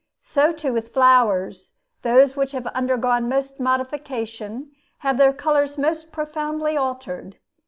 So too with flowers: those which have undergone most modification have their colors most profoundly altered.